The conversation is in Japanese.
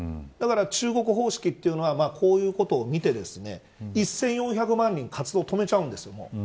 だから、中国方式というのはこういうことを見て１４００万人活動止めちゃうんです。